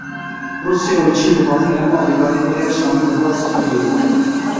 Rûsya û Çîn dixwazin hemû alîkarî bi rêya Şamê derbasî Sûriyeyê bibin.